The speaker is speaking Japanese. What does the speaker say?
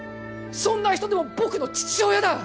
そんな人でも僕の父親だ！